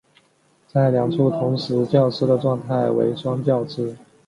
在两处同时叫吃的状态为双叫吃。